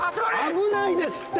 危ないですって！